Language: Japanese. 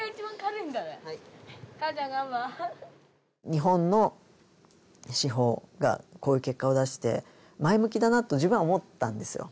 日本の司法がこういう結果を出して前向きだなと自分は思ったんですよ